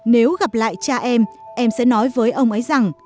nếu gặp lại cha em em sẽ nói với ông ấy rằng